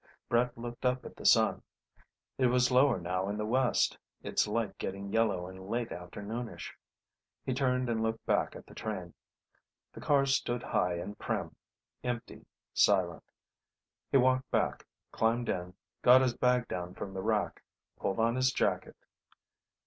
Brett looked up at the sun. It was lower now in the west, its light getting yellow and late afternoonish. He turned and looked back at the train. The cars stood high and prim, empty, silent. He walked back, climbed in, got his bag down from the rack, pulled on his jacket.